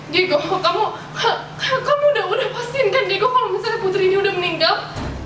diego kamu udah pastikan kan kalau putri ini udah meninggal